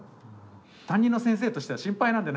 担任の先生としては心配なんだよ